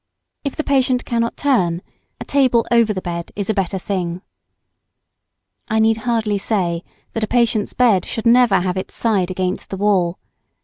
If the patient cannot turn, a table over the bed is a better thing. I need hardly say that a patient's bed should never have its side against the wall.